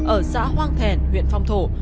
ở xã hoang thèn huyện phong thổ